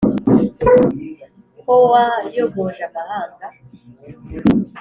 Ko wayogoje amahanga,